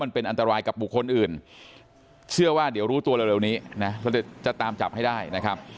มันเป็นอันตรายกับบุคคลอื่นเชื่อว่าเดี๋ยวรู้ตัวเร็วนี้นะจะตามจับให้ได้นะครับ